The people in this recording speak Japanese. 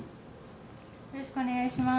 よろしくお願いします。